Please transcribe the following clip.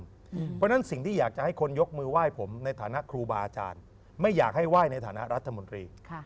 เพราะฉะนั้นสิ่งที่อยากจะให้คนยกมือไหว้ผมในฐานะครูบาอาจารย์ไม่อยากให้ไหว้ในฐานะรัฐมนตรี